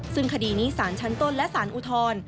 ซึ่งคดีนี้สารชั้นต้นและสารอุทธร